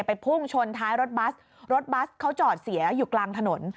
พุ่งชนท้ายรถบัสรถบัสเขาจอดเสียอยู่กลางถนน